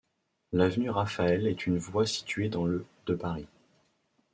L'avenue Raphaël est une voie située dans le de Paris.